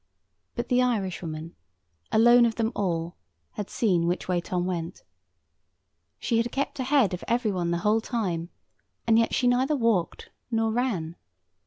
But the Irishwoman, alone of them all, had seen which way Tom went. She had kept ahead of every one the whole time; and yet she neither walked nor ran.